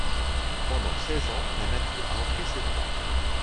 Pendant seize ans, la nature a repris ses droits.